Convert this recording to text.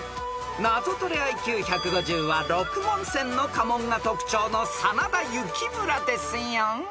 ［ナゾトレＩＱ１５０は六文銭の家紋が特徴の真田幸村ですよ］